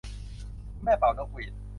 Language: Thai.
คุณแม่เป่านกหวีด